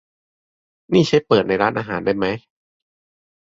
นี่ใช้เปิดในร้านอาหารได้ไหม ?